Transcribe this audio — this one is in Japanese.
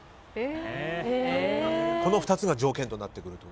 この２つが条件となってくると。